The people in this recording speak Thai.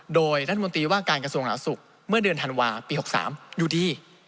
โดยรัฐมนตรีว่าการกระทรวงหนาสุขเมื่อเดือนธันวาปี๖๓อยู่ดี